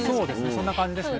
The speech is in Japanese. そんな感じですね。